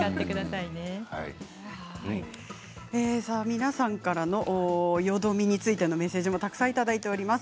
皆さんからのよどみについてのメッセージもたくさんいただいています。